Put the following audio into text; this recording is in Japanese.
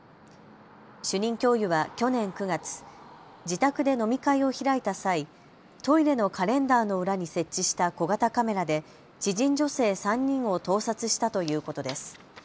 主任教諭は去年９月、自宅で飲み会を開いた際、トイレのカレンダーの裏に設置した小型カメラで知人女性３人を盗撮したということです。